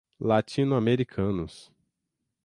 latino-americanos